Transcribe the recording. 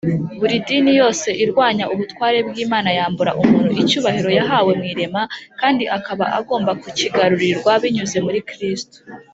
buri dini yose irwanya ubutware bw’imana yambura umuntu icyubahiro yahawe mu irema, kandi akaba agomba kukigarurirwa binyuze muri kristo